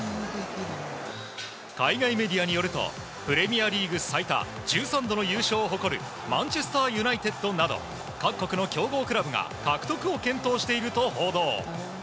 海外メディアによるとプレミアリーグ最多１３度の優勝を誇るマンチェスター・ユナイテッドなど各国の強豪クラブが獲得を検討していると報道。